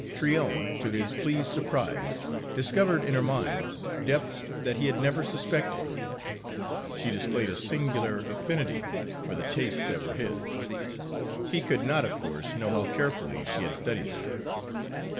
Tryon, to his pleased surprise, discovered in her mind depths that he had never suspected. She displayed a singular affinity for the tastes that were his he could not, of course, know how carefully she had studied them.